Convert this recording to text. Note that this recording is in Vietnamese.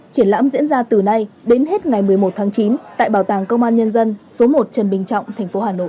triển lãm diễn ra từ nay đến hết ngày một mươi một tháng chín tại bảo tàng công an nhân dân số một trần bình trọng tp hà nội